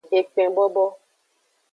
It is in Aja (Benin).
Ekpen bobo.